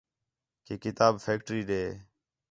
کہ کتاب فیکٹری ݙے